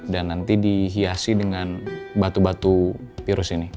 dan nanti dihiasi dengan batu batu virus ini